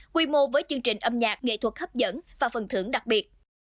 quy mô với chương trình âm nhạc nghệ thuật hấp dẫn và phần thưởng đặc biệt